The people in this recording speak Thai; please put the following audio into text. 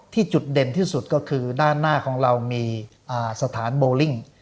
จุดเด่นที่สุดก็คือด้านหน้าของเรามีสถานโบลิ่ง